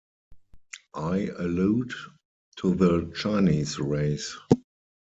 I allude to the Chinese race.